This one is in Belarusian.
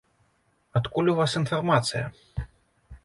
Адкуль у вас інфармацыя?